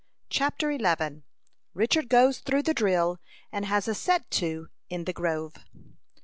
CHAPTER XI. RICHARD GOES THROUGH THE DRILL, AND HAS A SET TO IN THE GROVE.